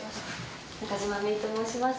中島芽生と申します。